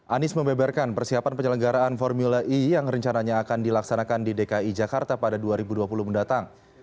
anies membeberkan persiapan penyelenggaraan formula e yang rencananya akan dilaksanakan di dki jakarta pada dua ribu dua puluh mendatang